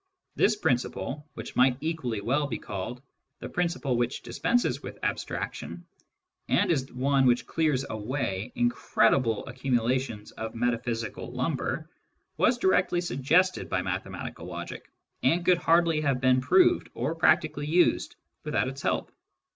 This principle, which might equally well be called " the principle which dispenses with abstraction," and is one which clears away incredible accumulations of metaphysical lumber, was directly suggested by mathe matical logic, and could hardly have been proved or practically used without its help.